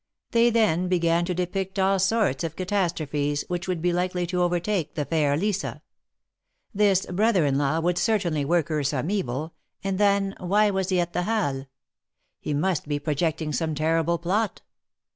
They then began to depict all sorts of catastrophes, which would be likely to overtake the fair Lisa. This brother in law would certainly work her some evil, and then why was he at the Halles? He must be projecting some terrible plot.